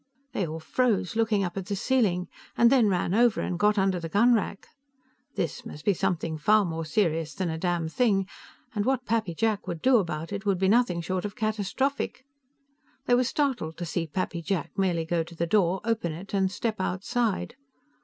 They all froze, looking up at the ceiling, and then ran over and got under the gunrack. This must be something far more serious than a damnthing, and what Pappy Jack would do about it would be nothing short of catastrophic. They were startled to see Pappy Jack merely go to the door, open it and step outside.